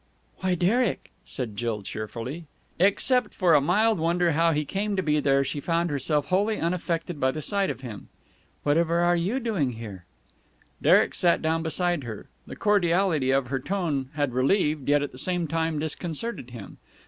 "Why, Derek!" said Jill cheerfully. Except for a mild wonder how he came to be there, she found herself wholly unaffected by the sight of him. "Whatever are you doing here?" Derek sat down beside her. The cordiality of her tone had relieved, yet at the same time disconcerted him.